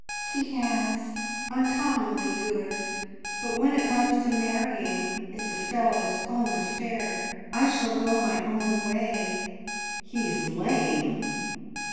"He has, uncommonly good; but when it comes to marrying, it's a fellow's own affair. I shall go my own way..." "He's lame!"